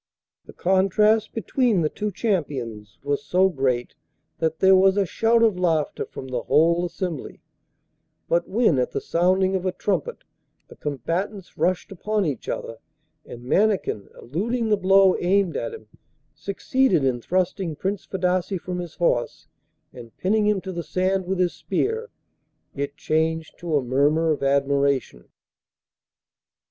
The contrast between the two champions was so great that there was a shout of laughter from the whole assembly; but when at the sounding of a trumpet the combatants rushed upon each other, and Mannikin, eluding the blow aimed at him, succeeded in thrusting Prince Fadasse from his horse and pinning him to the sand with his spear, it changed to a murmur of admiration.